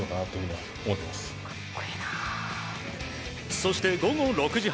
そして、午後６時半。